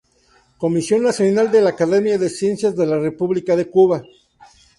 Comisión Nacional de la Academia de Ciencias de la República de Cuba.